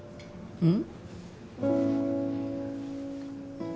うん。